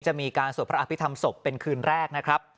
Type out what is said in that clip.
จะมีการสวดพระอภิษฐรรมศพเป็นคืนแรกนะครับ